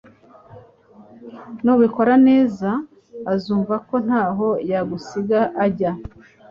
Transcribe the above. Nubikora neza azumva ko ntaho yagusiga ajya